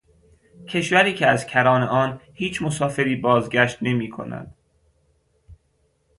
کشوری که از کران آن هیچ مسافری بازگشت نمیکند.